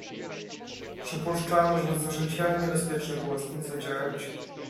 "Przypuszczam, że za życia niebezpieczne było z nim zadzierać."